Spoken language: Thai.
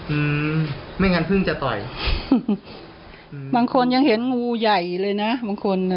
อืมไม่งั้นเพิ่งจะต่อยอืมบางคนยังเห็นงูใหญ่เลยนะบางคนน่ะ